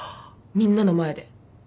みんなの前で。